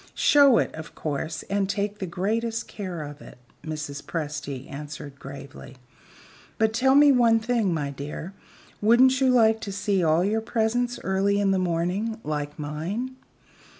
"Show it, of course; and take the greatest care of it," Mrs. Presty answered gravely. "But tell me one thing, my dear, wouldn't you like to see all your presents early in the morning, like mine?"